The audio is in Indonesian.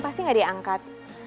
pasti nggak diangkat